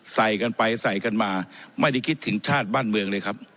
ใส่กันไปใส่กันมาไม่ได้คิดถึงชาติบ้านเมืองเลยครับ